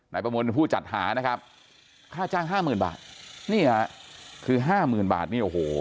นายประมวลเป็นผู้จัดหานะครับค่าจ้าง๕๐๐๐๐บาทเนี่ยคือ๕๐๐๐๐บาทเนี่ยโอ้โห